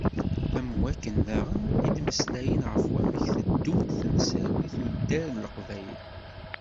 Am wakken daɣen i d-mmeslayen ɣef wamek tteddunt temsal di tuddar n Leqbayel.